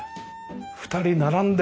２人並んで。